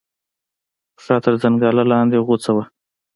پښه تر زنګانه لاندې غوڅه وه.